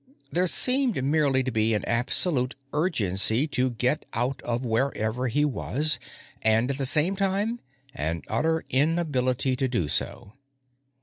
There seemed merely to be an absolute urgency to get out of wherever he was and, at the same time, an utter inability to do so.